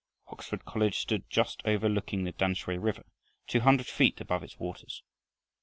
Oxford College stood just overlooking the Tamsui river, two hundred feet above its waters.